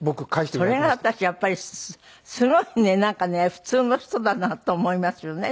それが私やっぱりすごいねなんかね普通の人だなと思いますよね